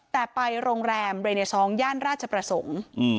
แต่ไปโรงแรมเรเนซองย่านราชประสงค์